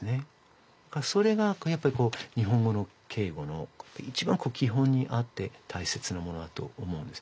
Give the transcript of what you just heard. それがやっぱり日本語の敬語の一番き本にあってたいせつなものだと思うんです。